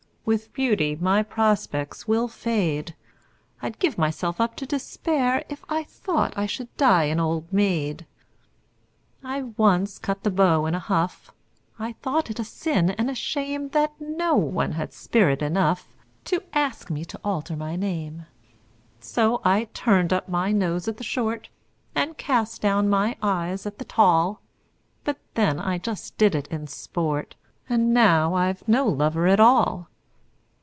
With beauty my prospects will fade I'd give myself up to despair If I thought I should die an old maid! I once cut the beaux in a huff I thought it a sin and a shame That no one had spirit enough To ask me to alter my name. So I turned up my nose at the short, And cast down my eyes at the tall; But then I just did it in sport And now I've no lover at all!